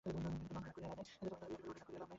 বিহারী কহিল, অন্যায় রাগ করেন নাই।